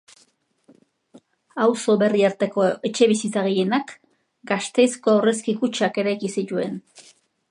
Auzo berri hartako etxebizitza gehienak Gasteizko aurrezki kutxak eraiki zituen.